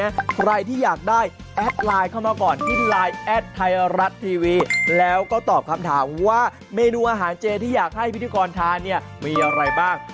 ใครที่อยากได้แอดไลน์เข้ามาก่อนที่ไลน์แอดไทยรัฐทีวีแล้วก็ตอบคำถามว่าเมนูอาหารเจที่อยากให้พิธีกรทานเนี่ยมีอะไรบ้าง